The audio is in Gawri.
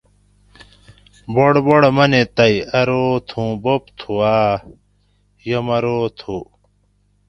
بڑبڑ منی تئ ارو تھُوں بوب تھو آۤ؟ یہ مرو تھُو